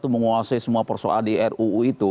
menguasai semua persoalan di ruu itu